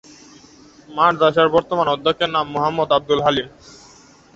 মাদ্রাসার বর্তমান অধ্যক্ষের নাম মোহাম্মদ আবদুল হালিম।